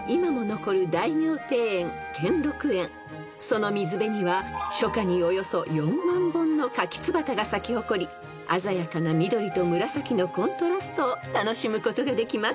［その水辺には初夏におよそ４万本のカキツバタが咲き誇り鮮やかな緑と紫のコントラストを楽しむことができます］